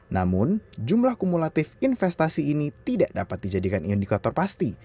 namun jumlah kumulatif investasi ini tidak dapat dijadikan indikator pasti